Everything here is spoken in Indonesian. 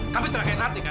kamu celakain ranti kan